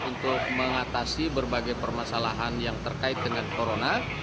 untuk mengatasi berbagai permasalahan yang terkait dengan corona